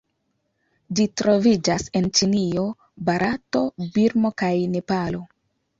Ĝi troviĝas en Ĉinio, Barato, Birmo kaj Nepalo.